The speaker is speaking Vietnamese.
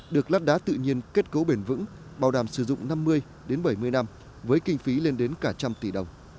được lát đá tự nhiên kết cấu bền vững bảo đảm sử dụng năm mươi bảy mươi năm với kinh phí lên đến cả trăm tỷ đồng